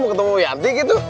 mau ketemu wianti gitu